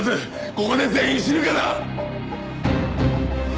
ここで全員死ぬかだ！